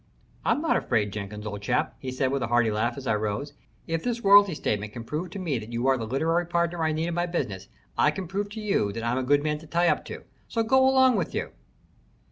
"I am not afraid, Jenkins, old chap," he said with a hearty laugh as I rose. "If this royalty statement can prove to me that you are the literary partner I need in my business, I can prove to you that I'm a good man to tie up to so go along with you."